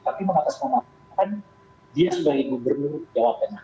tapi mengatas manakan dia sebagai gubernur jawabannya